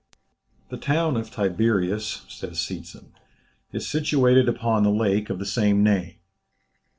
"The town of Tiberias," says Seetzen, "is situated upon the lake of the same name.